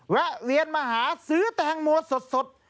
แวะเวียนมาหาซื้อแตงโมสด